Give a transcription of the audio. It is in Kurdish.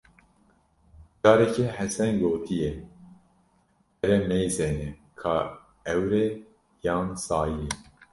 Carekê Hesen gotiyê, here meyzêne, ka ewr e, yan sayî ye!